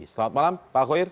selamat malam pak khoir